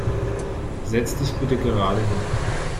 Setz dich bitte gerade hin!